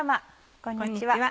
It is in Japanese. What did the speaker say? こんにちは。